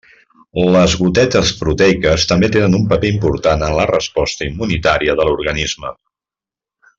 Les gotetes proteiques també tenen un paper important en la resposta immunitària de l'organisme.